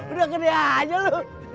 udah gede aja lu